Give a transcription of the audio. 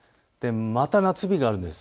また夏日があるんです。